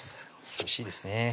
おいしいですね